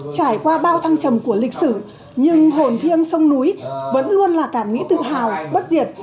trải qua bao thăng trầm của lịch sử nhưng hồn thiêng sông núi vẫn luôn là cảm nghĩ tự hào bất diệt